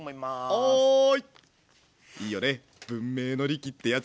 はい。